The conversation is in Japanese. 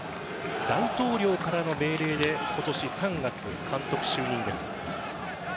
大統領からの命令で今年３月、監督就任です。